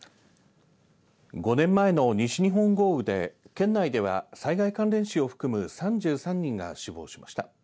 ５年前の西日本豪雨で県内では災害関連死を含む３３人が死亡しました。